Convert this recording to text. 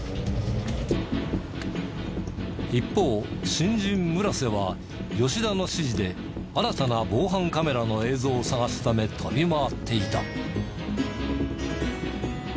一方新人村瀬は吉田の指示で新たな防犯カメラの映像を探すため飛び回っていた。